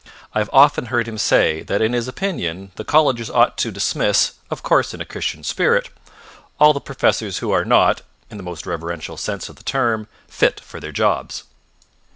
I have often heard him say that in his opinion the colleges ought to dismiss, of course in a Christian spirit, all the professors who are not, in the most reverential sense of the term, fit for their jobs.